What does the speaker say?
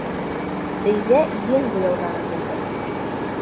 Өйҙә йөн буяуҙары булды.